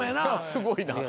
すごいな。